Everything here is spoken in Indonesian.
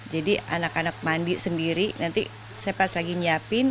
jadi anak anak mandi sendiri nanti saya pas lagi nyiapin